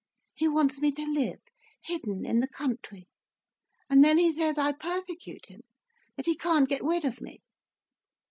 He wants me to live hidden in the country. And then he says I persecute him, that he can't get rid of me."